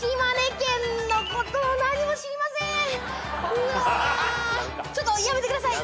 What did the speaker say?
うわちょっとやめてください。